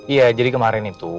iya jadi kemarin itu